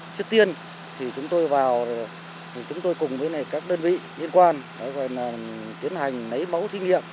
trước tiên chúng tôi cùng với các đơn vị liên quan tiến hành nấy mẫu thiên nghiệm